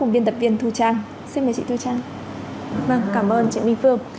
đại viên thu trang xin mời chị thu trang vâng cảm ơn chị minh phương